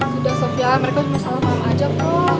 sudah setia mereka semua sama sama aja bro